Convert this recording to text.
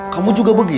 kamu juga begitu